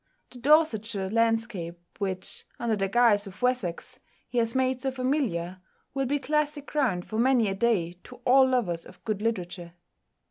The Dorsetshire landscape which, under the guise of "Wessex," he has made so familiar, will be classic ground for many a day to all lovers of good literature.